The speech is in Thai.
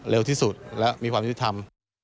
เร็วที่สุดและมีความยุติธรรม